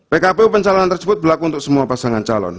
pkpu pencalonan tersebut berlaku untuk semua pasangan calon